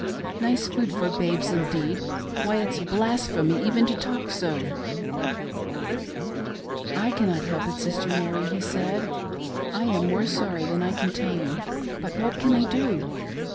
Nice food for babes, indeed ! Why, it's blasphemy even to talk so 1" " I cannot help it. Sister Mary," he said :—" I am more sorry than I can tell you — but what can I do